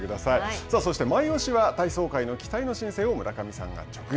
さあ、そしてマイオシは体操界の期待の新星を村上さんが直撃。